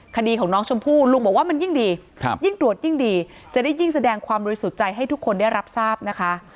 คดีของน้องชมพู่ลุงบอกว่ามันยิ่งดียิ่งตรวจยิ่งดีจะได้ยิ่งแสดงความบริสุทธิ์ใจให้ทุกคนได้รับทราบนะคะ